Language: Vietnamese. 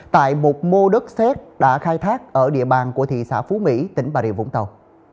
tại một mô đất xét đã khai thác ở địa bàn của thị xã phú mỹ tỉnh bà rịa vũng tàu